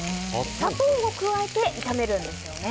砂糖を加えて炒めるんですよね。